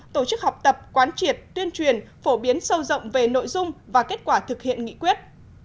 tổ chức học tập quán triệt tuyên truyền phổ biến sâu rộng về nội dung và kết quả thực hiện nghị quyết